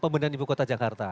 pembangunan ibu kota jakarta